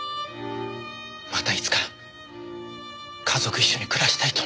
またいつか家族一緒に暮らしたいと思っていたのに。